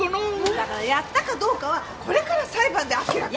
だからやったかどうかはこれから裁判で明らかに。